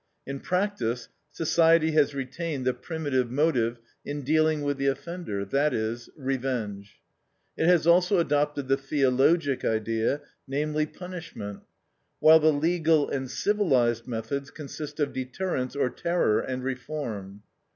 In practice, society has retained the primitive motive in dealing with the offender; that is, revenge. It has also adopted the theologic idea; namely, punishment; while the legal and "civilized" methods consist of deterrence or terror, and reform.